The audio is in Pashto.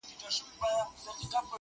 کلونه کيږي چي يې زه د راتلو لارې څارم_